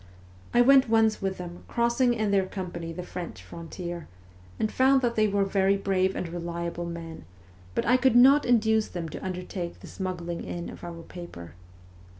I went once with them, crossing in their company the French frontier, and found that they were very brave and reliable men, but I could not induce them to undertake the smuggling in of our paper.